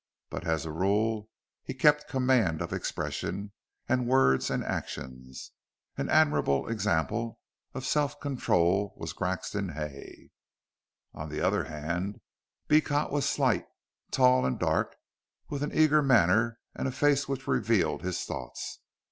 But as a rule he kept command of expression, and words, and actions. An admirable example of self control was Grexon Hay. On the other hand, Beecot was slight, tall and dark, with an eager manner and a face which revealed his thoughts.